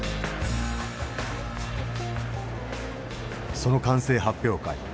その完成発表会。